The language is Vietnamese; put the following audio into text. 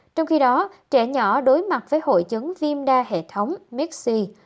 trong khi đó trẻ nhỏ đối mặt với hội chấn viêm đa hệ thống mixi